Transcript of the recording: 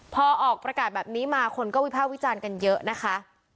พอออกประกาศแบบนี้มาคนก็วิภาควิจารณ์กันเยอะนะคะ